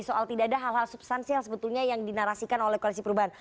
soal tidak ada hal hal substansial sebetulnya yang dinarasikan oleh koalisi perubahan